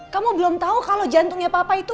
kamu belum tahu kalau jantungnya papa itu